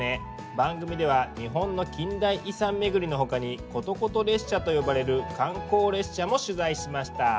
番組では日本の近代遺産巡りのほかにことこと列車と呼ばれる観光列車も取材しました。